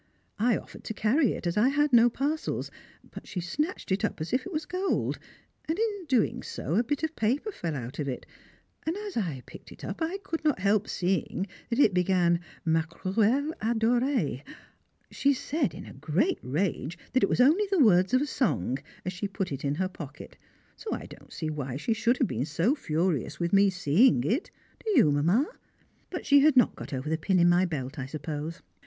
I offered to carry it, as I had no parcels, but she snatched it up as if it was gold, and in doing so a bit of paper fell out of it, and as I picked it up I could not help seeing it began "Ma cruelle adorée." She said, in a great rage, that it was only the words of a song, as she put it in her pocket; so I don't see why she should have been so furious with me seeing it, do you, Mamma? but she had not got over the pin in my belt, I suppose.